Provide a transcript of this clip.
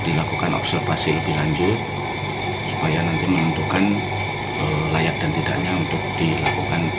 dilakukan observasi lebih lanjut supaya nanti menentukan layak dan tidaknya untuk dilakukan